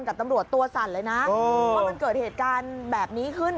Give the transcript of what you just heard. กับตำรวจตัวสั่นเลยนะว่ามันเกิดเหตุการณ์แบบนี้ขึ้น